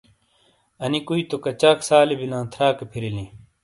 انہ کُوئی تو کچال سالی بیلاں تھراکے پھِریلیں۔